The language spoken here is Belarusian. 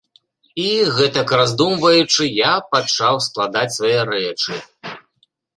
І, гэтак раздумваючы, я пачаў складаць свае рэчы.